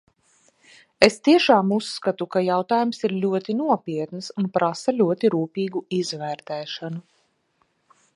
Es tiešām uzskatu, ka jautājums ir ļoti nopietns un prasa ļoti rūpīgu izvērtēšanu.